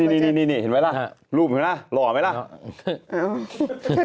นี่เห็นไหมล่ะรูปเห็นไหมหล่อไหมล่ะ